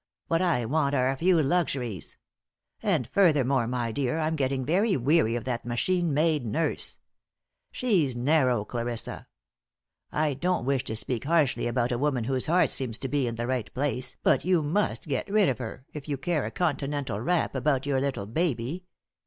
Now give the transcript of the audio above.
"What I want are a few luxuries. And, furthermore, my dear, I'm getting very weary of that machine made nurse. She's narrow, Clarissa. I don't wish to speak harshly about a woman whose heart seems to be in the right place, but you must get rid of her, if you care a continental rap about your little baby.